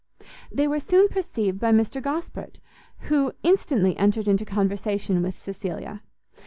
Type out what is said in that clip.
They were soon perceived by Mr Gosport, who instantly entered into conversation with Cecilia.